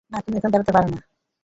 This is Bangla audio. না তুমি এখন দাড়াতে পারবে না।